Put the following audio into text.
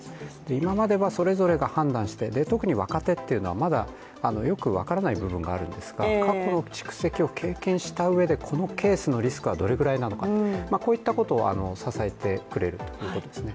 今まではそれぞれが判断して特に若手っていうのはまだよく分からない部分があるんですが、過去の蓄積を経験したうえでこのケースのリスクはどれくらいなのか、こういったことを支えてくれるってことですね